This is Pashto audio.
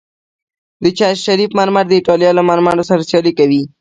د چشت شریف مرمر د ایټالیا له مرمرو سره سیالي کوي